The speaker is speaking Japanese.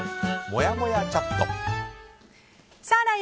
もやもやチャット。